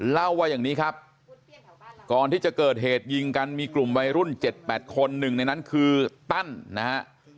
เล่าว่าอย่างนี้ครับก่อนที่จะเกิดเหตุยิงกันมีกลุ่มวัยรุ่น๗๘คนหนึ่งในนั้นคือตั้นนะฮะ